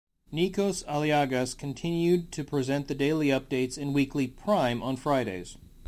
Nikos Aliagas continued to present the daily updates and weekly "Prime" on Fridays.